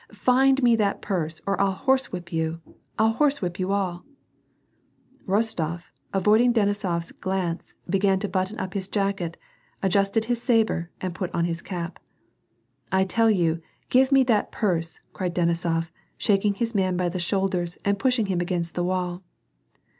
"Find me that purse or I'll horse whip you ! I'll horsewhip you all !" Bostof, avoiding Denisofs glance began to button up his jacket, adjusted his sabre and put on his cap. " I tell you, give me that purse," cried Denisof, shaking his man by the shoulders and pushing him against the wall.